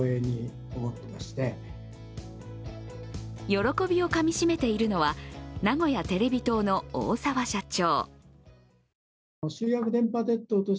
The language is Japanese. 喜びをかみ締めているのは、名古屋テレビ塔の大澤社長。